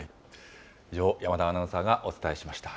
以上、山田アナウンサーがお伝えしました。